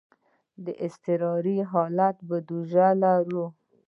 د اضطراري حالت بودیجه لرو؟